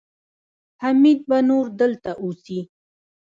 حميد به نور دلته اوسي.